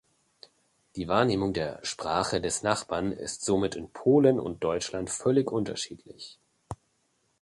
Die Wahrnehmung der „Sprache des Nachbarn“ ist somit in Polen und Deutschland völlig unterschiedlich.